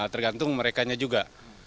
tergantung merekanya juga